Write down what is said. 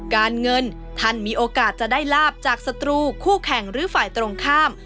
การเงินท่านมีโอกาสจะได้ลาบจากศัตรูคู่แข่งหรือฝ่ายตรงข้าม